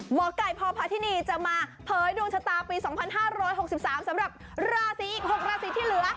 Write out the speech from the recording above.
หมอไก่พพาธินีจะมาเผยดวงชะตาปี๒๕๖๓สำหรับราศีอีก๖ราศีที่เหลือ